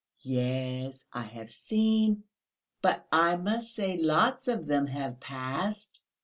"Yes, I have seen ... but I must say lots of them have passed...."